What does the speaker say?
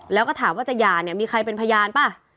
แล้วก็ถามว่าจะหย่าเนี่ยมีใครเป็นพยานป่ะ